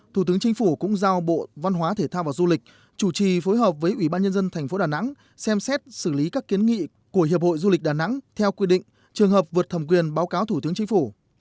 thủ tướng chính phủ cũng giao bộ văn hóa thể thao và du lịch chủ trì phối hợp với ủy ban nhân dân tp đà nẵng xem xét xử lý các kiến nghị của hiệp hội du lịch đà nẵng theo quy định trường hợp vượt thẩm quyền báo cáo thủ tướng chính phủ